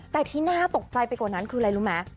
แต่ที่น่าตกใจไปกว่านั้นคืออะไรรู้ไหม